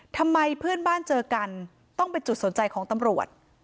ทำไมเพื่อนบ้านเจอกันต้องเป็นจุดสนใจของตำรวจ